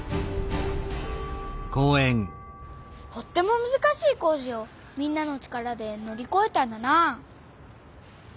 とってもむずかしい工事をみんなの力でのりこえたんだなあ。